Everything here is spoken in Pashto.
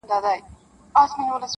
خو شیطان یې دی په زړه کي ځای نیولی -